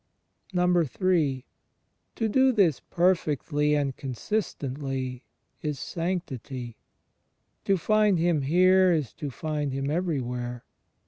in. To do this perfectly and consistently is Sanctity. To find Him here is to find Him everywhere.